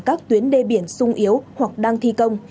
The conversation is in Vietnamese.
các tuyến đê biển sung yếu hoặc đang thi công